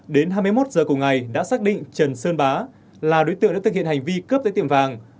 đến hai mươi một giờ cùng ngày đã xác định trần sơn bá là đối tượng đã thực hiện hành vi cướp tới tiệm vàng